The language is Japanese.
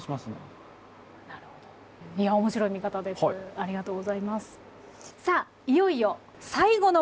ありがとうございます。